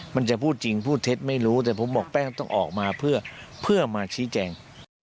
มันจะพูดจริงพูดเท็จไม่รู้แต่ผมบอกแป้งต้องออกมาเพื่อมาชี้แจง